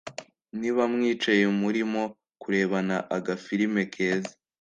niba mwicaye murimo kurebana agafilimi keza